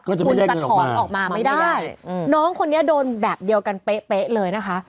ก็จะไม่ได้เงินออกมาน้องคนนี้โดนแบบเดียวกันเป๊ะเลยนะคะ